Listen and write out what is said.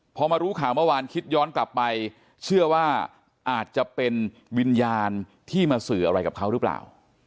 พอมารู้ข่าวเมื่อวานคิดย้อนกลับไปเชื่อว่าอาจจะเป็นวิญญาณที่มาสื่ออะไรกับเขาหรือเปล่า